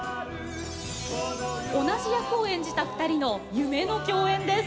同じ役を演じた２人の夢の共演です。